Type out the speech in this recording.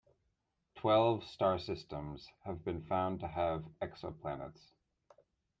Twelve star systems have been found to have exoplanets.